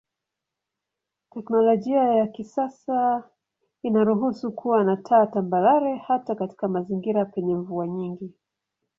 Teknolojia ya kisasa inaruhusu kuwa na taa tambarare hata katika mazingira penye mvua nyingi.